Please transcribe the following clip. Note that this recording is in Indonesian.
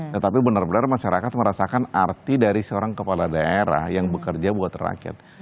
tetapi benar benar masyarakat merasakan arti dari seorang kepala daerah yang bekerja buat rakyat